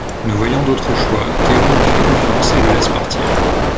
Ne voyant d'autre choix, Theon lui fait confiance et le laisse partir.